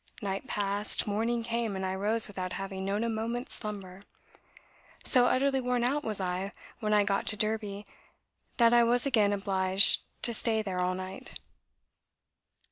Night passed; morning came, and I rose without having known a moment's slumber. So utterly worn out was I when I got to Derby, that I was again obliged to stay there all night."